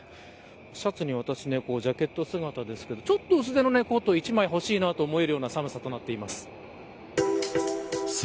シャツにジャケット姿ですけどちょっと薄手のコート１枚ほしいなと思えるような寒さです。